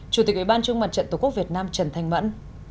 chủ tịch ủy ban trung mặt trận tổ quốc việt nam trần thanh mẫn